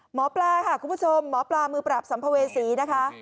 หมอปลาค่ะคุณผู้ชมหมอปลามือปราบสัมภเวษีนะคะ